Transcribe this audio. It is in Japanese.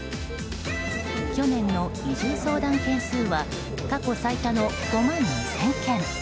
去年の移住相談件数は過去最多の５万２０００件。